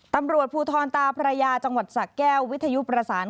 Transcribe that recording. ตำรวจภูทรตาพระยาจังหวัดสะแก้ววิทยุประสาน